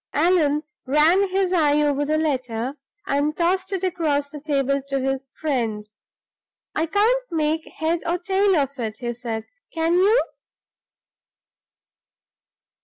Allan ran his eye over the letter, and tossed it across the table to his friend. "I can't make head or tail of it," he said, "can you?"